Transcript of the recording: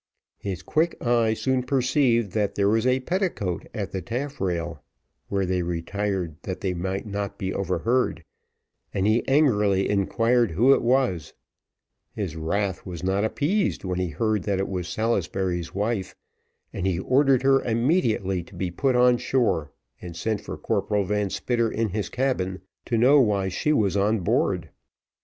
His quick eye soon perceived that there was a petticoat at the taffrail, where they retired that they might not be overheard, and he angrily inquired who it was, his wrath was not appeased when he heard that it was Salisbury's wife, and he ordered her immediately to be put on shore, and sent for Corporal Van Spitter in his cabin, to know why she was on board.